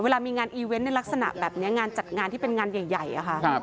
เวลามีงานอีเวนต์ในลักษณะแบบนี้งานจัดงานที่เป็นงานใหญ่อะค่ะ